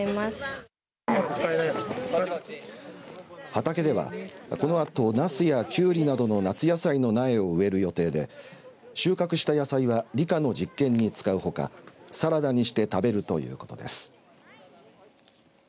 畑ではこのあと、なすやきゅうりなどの夏野菜の苗を植える予定で収穫した野菜は理科の実験に使うほかサラダにして食べるということです。